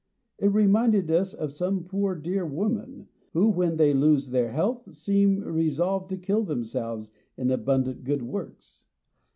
It reminded us of some poor dear women, who, when they lose their health, seem resolved to kill themselves in abundant good works.